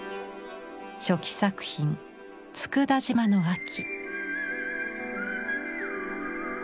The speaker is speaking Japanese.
初期作品「佃島の秋」。